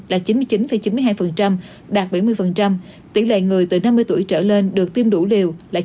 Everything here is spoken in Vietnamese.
là chín mươi chín chín mươi hai đạt bảy mươi tỷ lệ người từ năm mươi tuổi trở lên được tiêm đủ liều là chín mươi bảy hai mươi ba đạt tám mươi